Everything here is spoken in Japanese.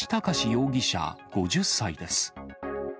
容疑者５０歳です。